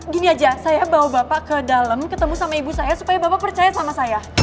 gini aja saya bawa bapak ke dalam ketemu sama ibu saya supaya bapak percaya sama saya